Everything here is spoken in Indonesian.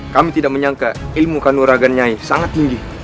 kami tidak menyangka ilmu kandung ragan nyai sangat tinggi